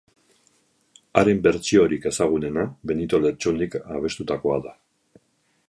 Haren bertsiorik ezagunena Benito Lertxundik abestutakoa da.